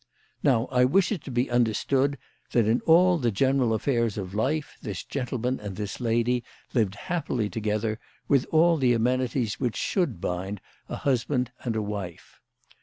Now I wish it to be understood that in all the general affairs of life this gentleman and this lady lived happily together, with all the amenities which should bind a husband and a wife.